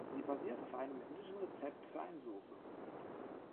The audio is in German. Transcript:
Sie basiert auf einem indischen Rezept für eine Sauce.